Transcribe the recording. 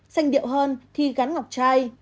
xanh điệu hơn thì gắn ngọc chai